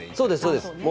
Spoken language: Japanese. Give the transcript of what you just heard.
そうですね